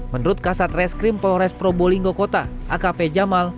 menurut kasat reskrim polres probolinggo kota akp jamal